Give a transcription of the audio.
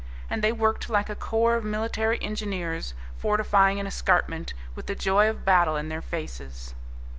And they worked like a corps of military engineers fortifying an escarpment, with the joy of battle in their faces.